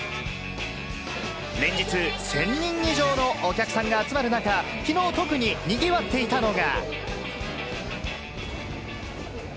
連日１０００人以上のお客さんが集まる中、昨日、特ににぎわっていたのが。